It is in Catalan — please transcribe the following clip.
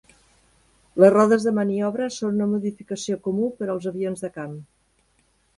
Les rodes de maniobra són una modificació comú per als avions de camp.